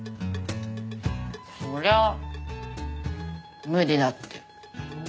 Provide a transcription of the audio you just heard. そりゃ無理だって。